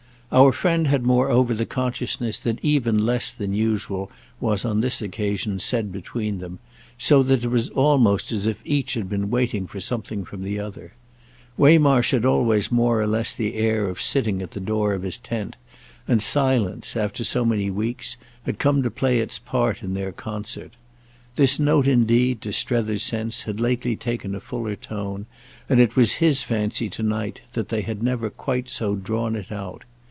Our friend had moreover the consciousness that even less than usual was on this occasion said between them, so that it was almost as if each had been waiting for something from the other. Waymarsh had always more or less the air of sitting at the door of his tent, and silence, after so many weeks, had come to play its part in their concert. This note indeed, to Strether's sense, had lately taken a fuller tone, and it was his fancy to night that they had never quite so drawn it out.